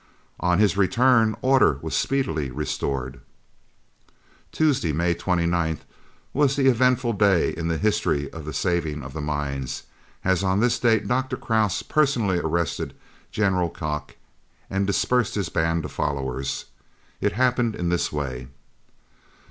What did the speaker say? On his return order was speedily restored. Tuesday, May 29th, was the eventful day in the history of the saving of the mines, as on this date Dr. Krause personally arrested "General" Kock and dispersed his band of followers. It happened in this way.